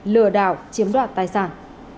lừa đảo chiếm đoạt tài sản